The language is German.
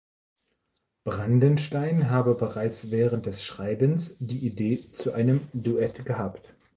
Brandenstein habe bereits während des Schreibens die Idee zu einem Duett gehabt.